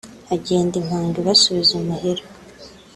Hagenda impongo ibasubiza imuhira